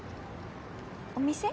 お店？